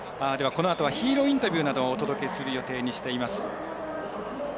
このあとはヒーローインタビューなどをお届けする予定にしています。